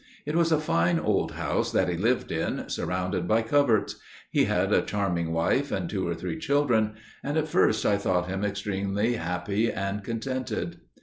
It was a fine old house that he lived in, surrounded by coverts. He had a charming wife and two or three children, and at first I thought him extremely happy and contented.